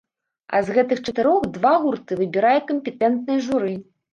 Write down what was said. А з гэтых чатырох два гурты выбірае кампетэнтнае журы.